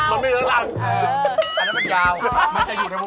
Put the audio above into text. อ๋ออันนี้มันเจ็บยาว